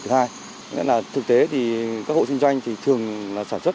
thứ hai là thực tế các hội xây dựng thì thường là sản xuất